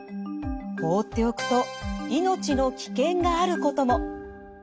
放っておくと命の危険があることも。